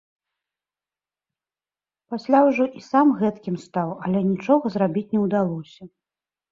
Пасля ўжо і сам гэткім стаў, але нічога зрабіць не ўдалося.